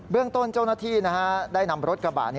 เรื่องต้นเจ้าหน้าที่ได้นำรถกระบะ